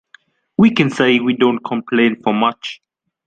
We can say we don’t complain for much.